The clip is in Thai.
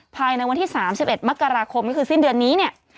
ภายในวันที่๓๑มกราคมก็คือสิ้นเดือนนี้เนี่ย